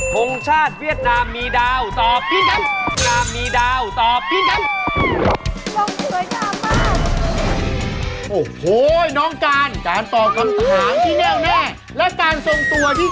ทรงชาติเวียดนามมีดาวตอบ